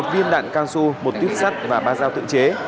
một biên đạn cao su một tuyết sắt và ba giao tự chế